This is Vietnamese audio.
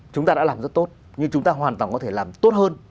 chúng ta đã làm rất tốt nhưng chúng ta hoàn toàn có thể làm tốt hơn